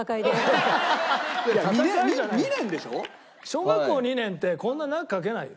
小学校２年ってこんな長く書けないよ。